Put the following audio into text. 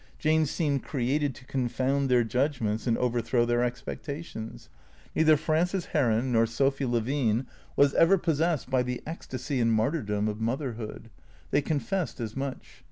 Jane seemed created to confound their judgments and overthrow their expectations. Neither Frances Heron nor Sophy Levine was ever possessed by the ecstasy and martyr dom of motherhood. They confessed as much.